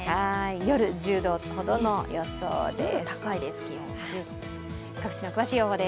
夜１０度ほどの予想です。